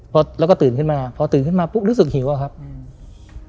พอแล้วก็ตื่นขึ้นมาพอตื่นขึ้นมาปุ๊บรู้สึกหิวอะครับอืม